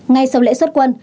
ngay sau lễ xuất quân